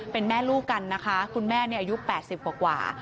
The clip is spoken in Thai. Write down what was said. เป็นแม่ลูกกันนะคะคุณแม่อายุ๘๐กว่า